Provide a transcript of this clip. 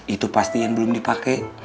itu pastinya yang belum dipake